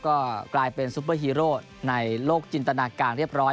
ก็กลายเป็นซุปเปอร์ฮีโร่ในโลกจินตนาการเรียบร้อย